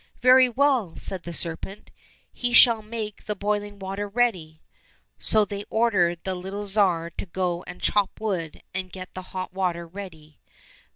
—" Very well," said the serpent ;" he shall make the boiling water ready !" So they ordered the little Tsar to go and chop wood and get the hot water ready.